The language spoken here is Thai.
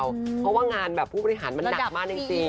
เพราะว่างานแบบผู้บริหารมันหนักมากจริง